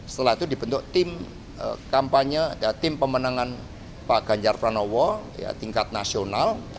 setelah itu dibentuk tim pemenangan pak ganjar pranowo tingkat nasional